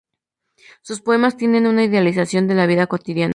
Sus poemas tienden a una idealización de la vida cotidiana.